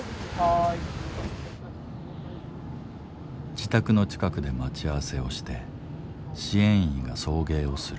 自宅の近くで待ち合わせをして支援員が送迎をする。